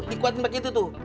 dikuatin begitu tuh